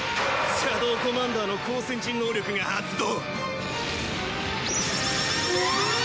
シャドウコマンダーの交戦時能力が発動！